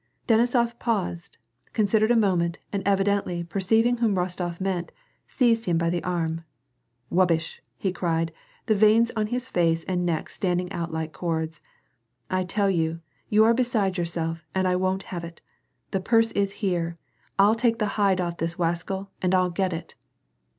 Denisof paused, considered a moment and evidently perceiv ing whom Bostof meant, he seized him by the arm. " Wub bish !" he cried, the veins on his face and neck standing out like cords. "I tell you, you are beside yourself and I won't have it. The purse is here, I'll take the hide off this waskel and I'll get it."